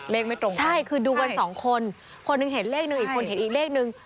ไม่ตรงกันใช่คือดูกันสองคนคนหนึ่งเห็นเลขหนึ่งอีกคนเห็นอีกเลขนึง